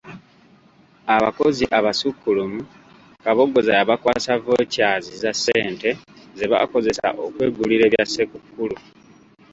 Abakozi abasukkulumu Kabogoza yabakwasa ‘Vouchers’ za ssente ze baakozesa okwegulira ebya Ssekukkulu.